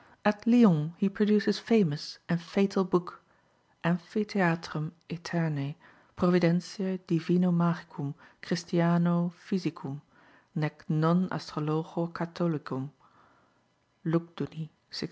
At Lyons he produced his famous and fatal book, Amphitheatrum aeternae providentiae divino magicum Christiano Physicum, nec non Astrologo Catholicum (Lugduni, 1616).